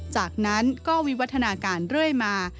จากนั้นก็วิวัฒนาการเรื่อยมา